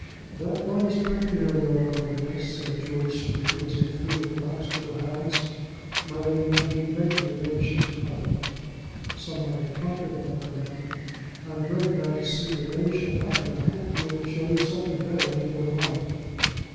"That one is pretty nearly all over, miss," said George Scruby, as he threw the fox to the hounds. "My Lady, I mean, begging your Ladyship's pardon." Some one had prompted him at the moment. "I'm very glad to see your Ladyship out, and I hope we'll show you something better before long."